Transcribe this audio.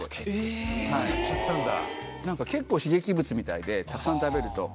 結構刺激物みたいでたくさん食べると。